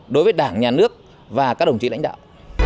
đối với đảng nhà nước và các đồng chí lãnh đạo